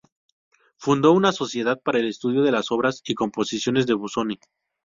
Fundó una sociedad para el estudio de las obras y composiciones de Busoni.